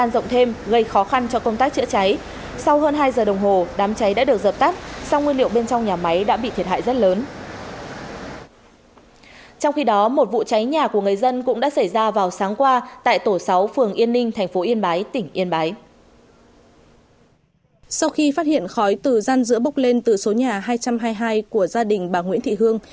sau khi phát hiện khói từ gian giữa bốc lên từ số nhà hai trăm hai mươi hai của gia đình bà nguyễn thị hương